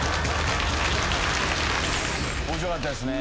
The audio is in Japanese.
面白かったですね。